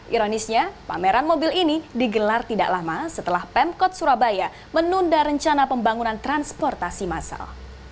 ironisnya pameran mobil ini digelar tidak lama setelah pemkot surabaya menunda rencana pembangunan transportasi massal